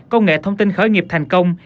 công nghệ thông tin khởi nghiệp thành công